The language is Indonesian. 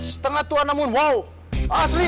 setengah tua namun wow asli